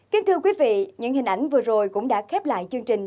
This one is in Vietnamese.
kính thưa quý vị những hình ảnh vừa rồi cũng đã khép lại chương trình